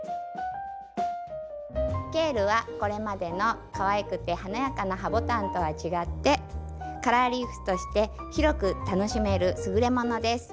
ケールはこれまでのかわいくて華やかなハボタンとは違ってカラーリーフとして広く楽しめる優れものです。